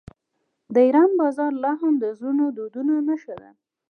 د ایران بازارونه لا هم د زړو دودونو نښه ده.